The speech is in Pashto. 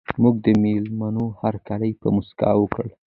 موږ د مېلمنو هرکلی په مسکا وکړ.